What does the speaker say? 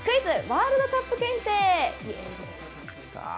ワールドカップ検定！」。